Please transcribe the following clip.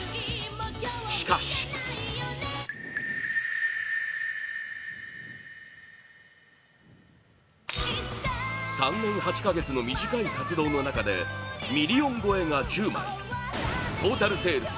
しかし３年８か月の短い活動の中でミリオン超えが１０枚トータルセールス